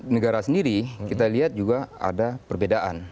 negara sendiri kita lihat juga ada perbedaan